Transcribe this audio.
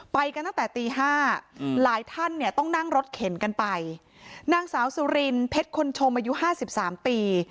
ไปกันตั้งแต่ตี๕หลายท่านต้องนั่งรถเข็นกันไปนางสาวสุรินเพชรคนชมอายุ๕๓ปี